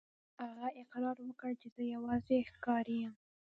هغه اقرار وکړ چې زه یوازې ښکاري یم.